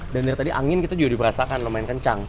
dan dari tadi angin kita juga diperasakan lumayan kencang